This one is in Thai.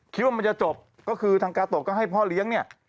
คิดว่ามันจะจบก็คือทางกาโตะก็ให้พ่อเลี้ยงเนี่ย